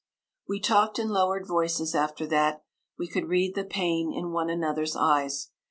We talked in lowered voices after that; we could read the pain in one another's eyes.